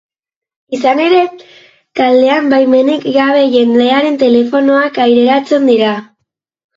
Izan ere, taldean baimenik gabe jendearen telefonoak aireratzen dira.